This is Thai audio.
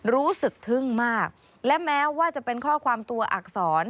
รู้สึกทึ่งมากและแม้ว่าจะเป็นข้อความตัวอักษร